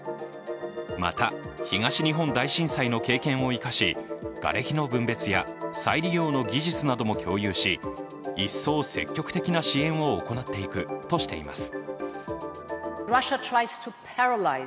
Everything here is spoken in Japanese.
また東日本大震災の経験を生かし、がれきの分別や再利用の技術なども共有し一層積極的な支援を行っていくとしています。